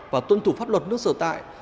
và tuân thủ pháp luật nước sở tại